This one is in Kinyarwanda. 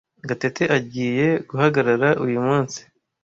Gatete agiye guhagarara uyu munsi.